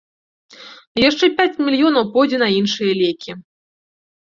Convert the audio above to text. Яшчэ пяць мільёнаў пойдзе на іншыя лекі.